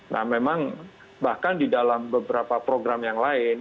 nah memang bahkan di dalam beberapa program yang lain